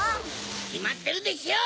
きまってるでしょ！